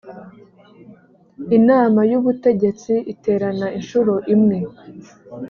inama y ubutegetsi iterana inshuro imwe